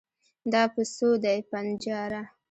دا په څو دی ؟ بنجاره